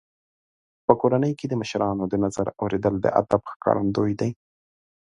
په کورنۍ کې د مشرانو د نظر اورېدل د ادب ښکارندوی دی.